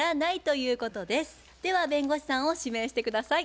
では弁護士さんを指名して下さい。